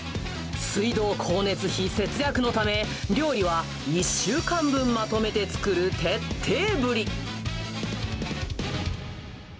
水道光熱費、節約のため料理は１週間分まとめて作る徹底ぶり。